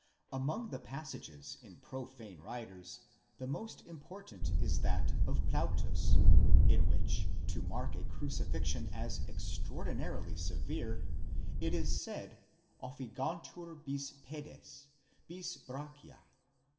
Among the passages in profane writers, the most important is that of Plautus, in which, to mark a crucifixion as extra ordinarily severe, it is said: ofigantur bis pedes, bis brachia.